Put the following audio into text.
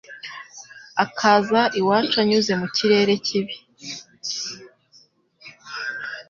akaza iwacu anyuze mu kirere kibi